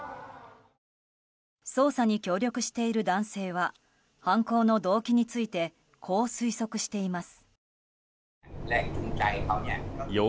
捜査に協力している男性は犯行の動機についてこう推測しています。